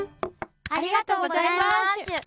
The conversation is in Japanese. ありがとうございましゅ。